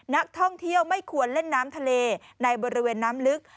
นักท่องเที่ยวไม่ควรเล่นน้ำทะเลในบริเวณน้ำลึก